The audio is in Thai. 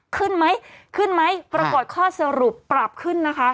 ขึ้นไหมขึ้นไหมปรากฏข้อสรุปปรับขึ้นนะคะ